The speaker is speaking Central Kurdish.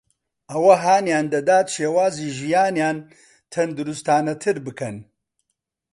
ئەوە هانیان دەدات شێوازی ژیانیان تەندروستانەتر بکەن